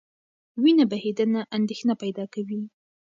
وینه بهېدنه اندېښنه پیدا کوي.